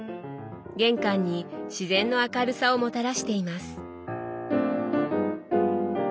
玄関に自然の明るさをもたらしています。